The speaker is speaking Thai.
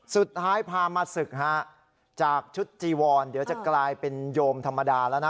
สุดท้ายพามาศึกฮะจากชุดจีวรเดี๋ยวจะกลายเป็นโยมธรรมดาแล้วนะ